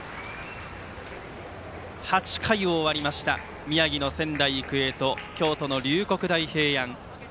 ８回が終わりました宮城の仙台育英と京都の龍谷大平安。